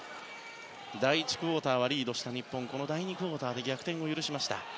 第１クオーターはリードした日本第２クオーターで逆転を許しました。